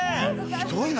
ひどいな。